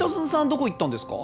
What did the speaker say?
どこに行ったんですか？